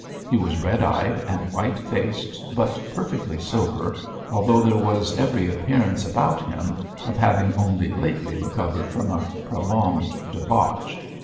He was red eyed and white faced, but perfectly sober, although there was every appearance about him of having only lately recovered from a prolonged debauch.